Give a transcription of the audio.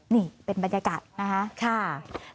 นี่เป็นบรรยากาศ